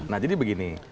nah jadi begini